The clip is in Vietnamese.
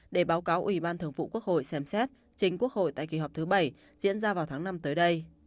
để báo cáo ủy ban thường vụ quốc hội xem xét chính quốc hội tại kỳ họp thứ bảy diễn ra vào tháng năm tới đây